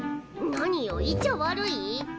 何よいちゃ悪い！？